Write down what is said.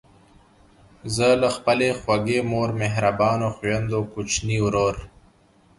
زه له خپلې خوږې مور، مهربانو خویندو، کوچني ورور،